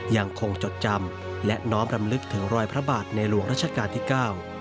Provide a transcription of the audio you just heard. ยังคงจดจำและน้อมรำลึกถึงรอยพระบาทในหลวงรัชกาลที่เก้า